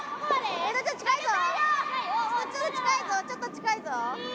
ちょっと近いぞ。